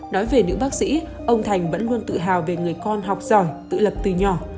nói về nữ bác sĩ ông thành vẫn luôn tự hào về người con học giỏi tự lập từ nhỏ